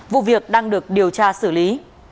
vụ việc đang được điều tra xử lý